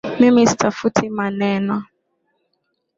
Mimi sitafuti maneno